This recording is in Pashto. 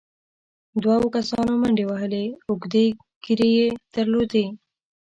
دوو کسانو منډې وهلې، اوږدې ږېرې يې درلودې،